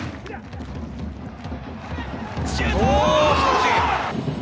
シュート！